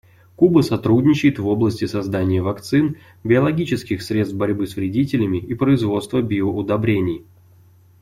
Куба сотрудничает в области создания вакцин, биологических средств борьбы с вредителями и производства биоудобрений.